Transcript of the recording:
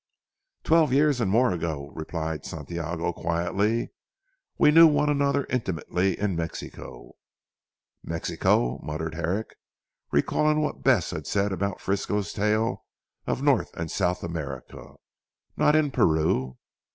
"Twelve years and more ago," replied Santiago quietly, "we knew one another intimately in Mexico." "Mexico!" muttered Herrick, recalling what Bess had said about Frisco's tales of North and South America, "not in Peru?"